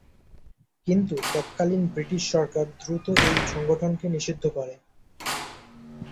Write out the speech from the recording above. কিন্তু তৎকালীন ব্রিটিশ সরকার দ্রুত এই সংগঠনকে নিষিদ্ধ করে।